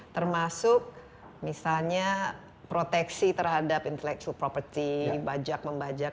termasuk misalnya proteksi terhadap intellectual property bajak membajak